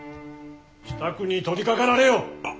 支度に取りかかられよ！